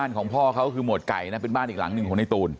ของพ่อเขาคือหมวดไก่นะเป็นบ้านอีกหลังหนึ่งของในตูน